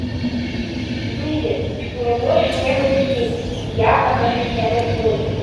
Выйдет, что мне больше некуда сесть, и я окажусь рядом с ней.